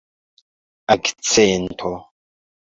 akcento